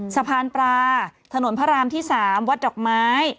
สะพานปลาถนนพระรามที่๓วัดดอกไม้